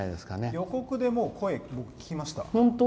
予告で声、僕は聞きました。